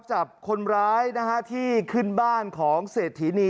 จับคนร้ายนะฮะที่ขึ้นบ้านของเศรษฐีนี